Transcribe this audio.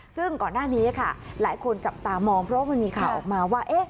ซึ่งก่อนหน้านี้ค่ะหลายคนจับตามองเพราะว่ามันมีข่าวออกมาว่า